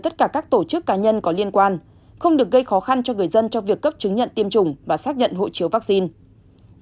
các tổ chức cá nhân có liên quan không được gây khó khăn cho người dân cho việc cấp chứng nhận tiêm chủng và xác nhận hộ chiếu vaccine